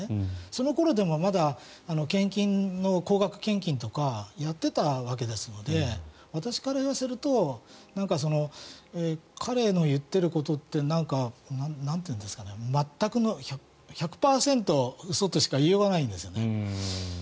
その頃でもまだ献金、高額献金とかやっていたわけですので私から言わせると彼の言っていることってなんというんですかね全くの、１００％嘘としか言いようがないんですね。